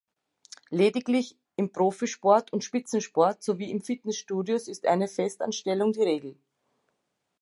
Lediglich im Profisport und Spitzensport sowie in Fitnessstudios ist eine Festanstellung die Regel.